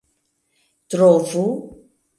trovu